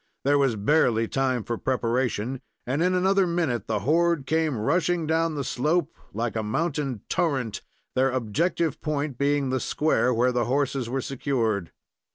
There was barely time for preparation, and in another minute the horde came rushing down the slope, like a mountain torrent, their objective point being the square where the horses were secured.